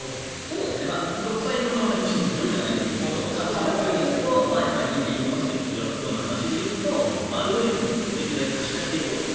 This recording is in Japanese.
独裁の可能性はもちろんゼロではないと思いますがどちらかというと今、イーロン・マスクが言っているような話で言うとアルゴリズムをできるだけ可視化していこうと。